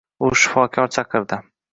U shifokor chaqirdi